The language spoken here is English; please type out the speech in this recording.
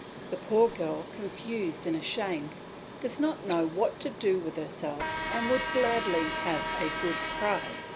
The poor girl, confused and ashamed, does not know what to do with herself and would gladly have a good cry.